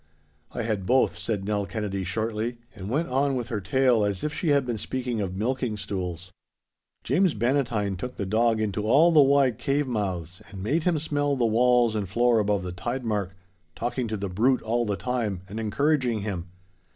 'I had both,' said Nell Kennedy, shortly. And went on with her tale as if she had been speaking of milking stools. 'James Bannatyne took the dog into all the wide cave mouths and made him smell the walls and floor above the tide mark, talking to the brute all the time and encouraging him.